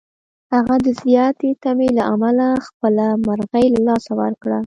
هغه د زیاتې تمې له امله خپله مرغۍ له لاسه ورکړه.